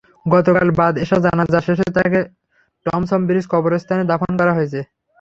গতকাল বাদ এশা জানাজা শেষে তাঁকে টমছম ব্রিজ কবরস্থানে দাফন করা হয়েছে।